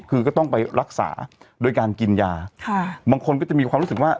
คือก็ต้องไปรักษาโดยการกินยาบางคนก็จะมีความรู้สึกว่า